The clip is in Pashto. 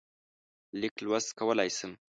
لیک لوست کولای شم.